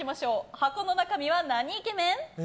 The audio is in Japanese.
箱の中身はなにイケメン？